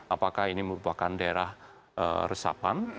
apakah ini merupakan daerah resapan